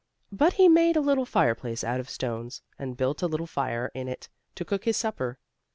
But he made a little fireplace out of stones, and built a little fire in it, to cook his supper.